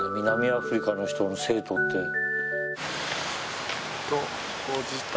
南アフリカの人の生徒って。